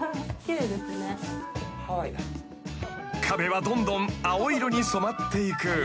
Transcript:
［壁はどんどん青色に染まっていく］